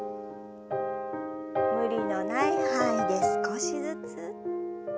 無理のない範囲で少しずつ。